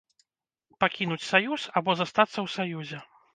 Пакінуць саюз або застацца ў саюзе.